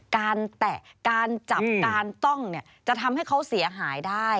แตะการจับการต้องเนี่ยจะทำให้เขาเสียหายได้